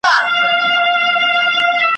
غریب سړی ابلک یې سپی `